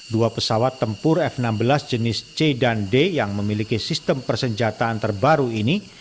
dua pesawat tempur f enam belas jenis c dan d yang memiliki sistem persenjataan terbaru ini